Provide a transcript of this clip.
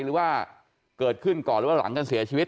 หรือว่าเกิดขึ้นก่อนหรือว่าหลังกันเสียชีวิต